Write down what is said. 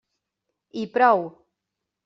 I prou!